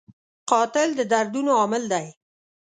قاتل د دردونو عامل دی